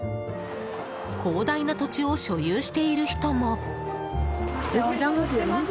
広大な土地を所有している人も。